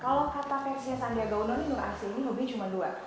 kalau kata versinya sandiaga uno nih nur arsya ini hobinya cuma dua